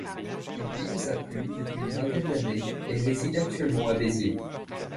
Il vit de sa plume depuis une vingtaine d'années et réside actuellement à Béziers.